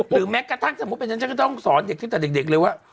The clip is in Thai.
หรือแม้กระทั่งสมมุติเป็นฉันก็ต้องสอนเด็กแต่เด็กเลยว่า